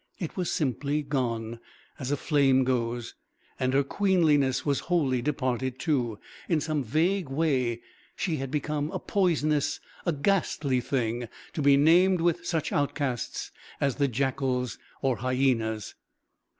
It was simply gone, as a flame goes, and her queenliness was wholly departed, too. In some vague way she had become a poisonous, a ghastly thing, to be named with such outcasts as the jackals or hyenas.